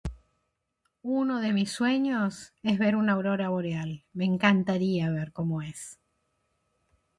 Uno de mis sueños es ver una aurora boreal. Me encantaría ver cómo es.